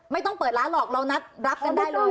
ไม่ต้องเปิดร้านหรอกเรานัดรับกันได้เลย